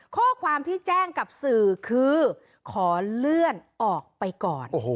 ข้อความที่แจ้งกับสื่อคือขอเลื่อนออกไปก่อน